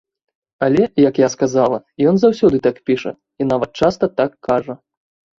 Але, як я сказала, ён заўсёды так піша і нават часта так кажа.